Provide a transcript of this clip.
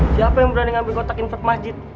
siapa yang berani ngambil kotak infek masjid